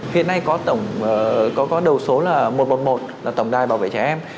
hiện nay có đầu số là một trăm một mươi một là tổng đài bảo vệ trẻ em